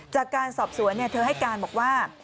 จากการสอบสวนเธอให้การบอกว่า